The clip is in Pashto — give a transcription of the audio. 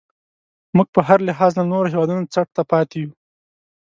موږ په هر لحاظ له نورو هیوادونو څټ ته پاتې یو.